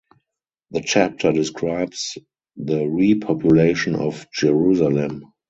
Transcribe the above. The chapter describes the repopulation of Jerusalem.